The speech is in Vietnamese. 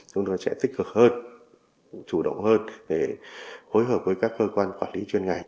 chúng tôi sẽ tích cực hơn chủ động hơn để hối hợp với các cơ quan quản lý chuyên ngành